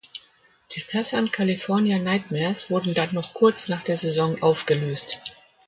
Die Southern California Nitemares wurden dann noch kurz nach der Saison aufgelöst.